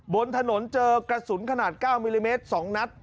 บนถนนเจอกระสุนขนาด๙มิลลิเมตร๒นัด